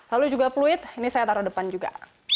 lalu juga pluit ini saya taruh depan juga